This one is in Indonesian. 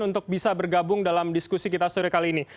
untuk bisa bergabung dalam diskusi kita sore kali ini